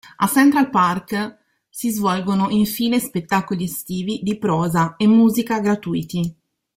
A Central Park si svolgono infine spettacoli estivi di prosa e musica gratuiti.